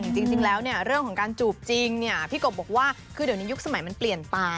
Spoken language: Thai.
จริงแล้วเนี่ยเรื่องของการจูบจริงพี่กบบอกว่าคือเดี๋ยวนี้ยุคสมัยมันเปลี่ยนไป